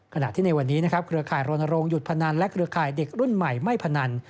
ขณะที่ในวันนี้นะครับเครือข่ายรณรงค์หยุดพนันและเครือข่ายเด็กรุ่นใหม่ไม่พนัน